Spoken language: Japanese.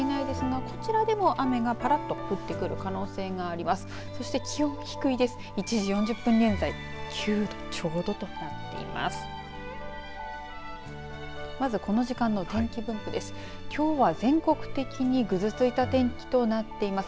１時４０分現在９度ちょうどとなっています。